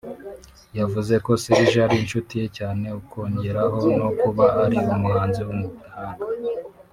yavuze ko Serge ari inshuti ye cyane ukongeraho no kuba ari umuhanzi w'umuhanga